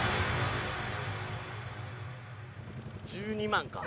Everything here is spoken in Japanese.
１２万か。